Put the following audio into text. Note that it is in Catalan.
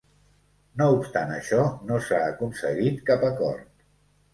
No obstant això, no s'ha aconseguit cap acord.